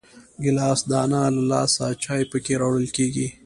ګیلاس د انا له لاسه چای پکې راوړل کېږي.